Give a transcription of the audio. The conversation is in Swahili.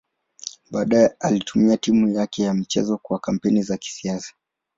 Baadaye alitumia timu yake ya michezo kwa kampeni za kisiasa.